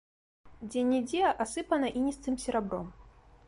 Дзе-нідзе асыпана іністым серабром.